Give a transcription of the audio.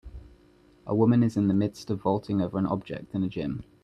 A woman is in the midst of vaulting over an object in a gym.